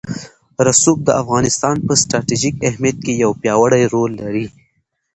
رسوب د افغانستان په ستراتیژیک اهمیت کې یو پیاوړی رول لري.